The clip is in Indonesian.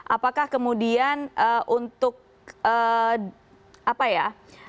apakah kemudian untuk apa ya